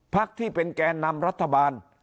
พักที่เป็นแก่นำรัฐบาล